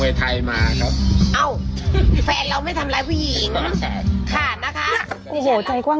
ฟรีทุกอย่างฟึ่งอยู่ฟรีทุกอย่าง